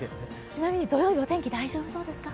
ちなみに土曜日お天気大丈夫そうですか？